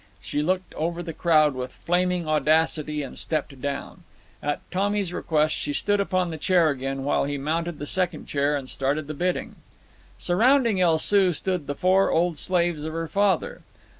She looked over the crowd with flaming audacity and stepped down. At Tommy's request she stood upon the chair again, while he mounted the second chair and started the bidding. Surrounding El Soo stood the four old slaves of her father.